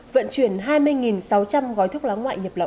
vận chuyển hai mươi sáu trăm linh gói thuốc lá ngoại nhập lậu